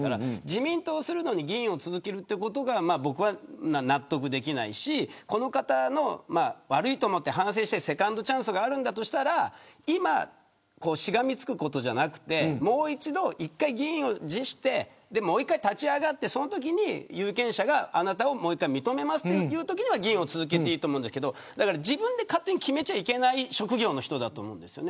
自民党を離れるのに議員を続投するのが納得できないしこの方が反省してセカンドチャンスがあるんだとしたら今、しがみつくことじゃなくて一回、議員を辞してもう一回、立ち上がってそのときに有権者がもう一回、あなたを認めますというときに議員を続けていいと思うんですが自分で勝手に決めてはいけない職業の人だと思うんです。